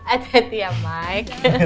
aduh tiap mike